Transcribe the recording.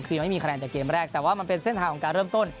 คือยังไม่มีคะแนนจากเกมแรกแต่ว่ามันเป็นเส้นทางของการเริ่มต้น